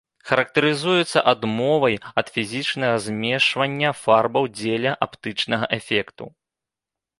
Характарызуецца адмовай ад фізічнага змешвання фарбаў дзеля аптычнага эфекту.